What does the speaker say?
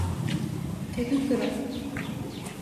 手袋